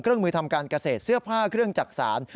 เครื่องมือทำการเกษตรเสื้อผ้าเครื่องจักรสาร